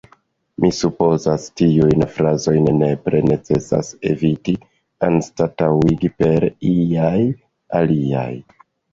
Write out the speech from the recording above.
Mi supozas, tiujn frazojn nepre necesas eviti, anstataŭigi per iaj aliaj.